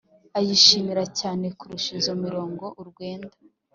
ayishimira cyane kurusha izo mirongo urwenda